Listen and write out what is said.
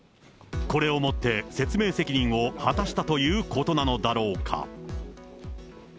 これをもって説明責任を果たしたということなのだろうか。